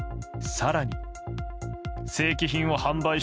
更に。